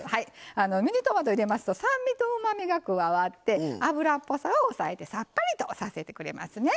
ミニトマト入れますと酸味とうまみが加わって脂っぽさを抑えてさっぱりとさせてくれますね。